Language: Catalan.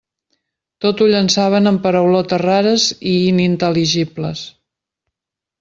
Tot ho llançaven amb paraulotes rares i inintel·ligibles.